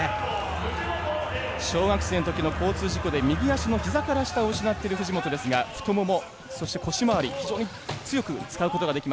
小学生の時の交通事故で右足の膝から下を失っている藤本ですが太ももそして腰回り非常に強く使うことができます。